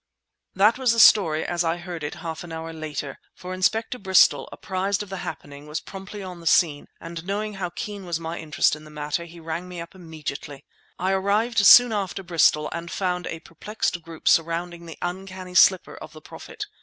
That was the story as I heard it half an hour later. For Inspector Bristol, apprised of the happening, was promptly on the scene; and knowing how keen was my interest in the matter, he rang me up immediately. I arrived soon after Bristol and found a perplexed group surrounding the uncanny slipper of the Prophet.